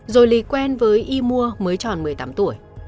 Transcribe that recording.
rồi lì quen với y mua mới tròn một mươi tám tuổi